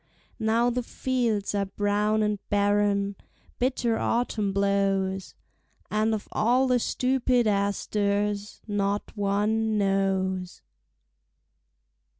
Now the fields are brown and barren, Bitter autumn blows, And of all the stupid asters Not one knows.